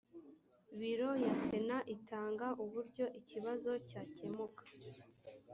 biro ya sena itanga uburyo ikibazo cyakemuka